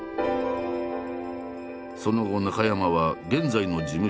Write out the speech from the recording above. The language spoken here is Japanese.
その後中山は現在の事務所に合格。